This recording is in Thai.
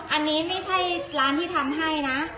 อันนี้ไม่ใช่ร้านที่ทำให้นะ